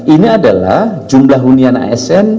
ini adalah jumlah hunian asn